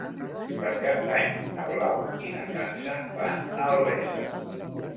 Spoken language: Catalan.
Per Cap d'Any na Blau i na Sança van a Albesa.